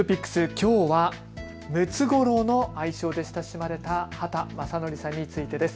きょうはムツゴロウの愛称で親しまれた畑正憲さんについてです。